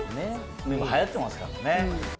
今流行ってますからね。